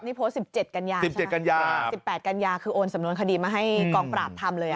นี่โพสต์สิบเจ็ดกัญญาสิบเจ็ดกัญญาสิบแปดกัญญาคือโอนสำนวนคดีมาให้กองปราบทำเลยอ่ะ